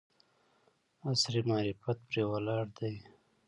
عصر معرفت پرې ولاړ دی.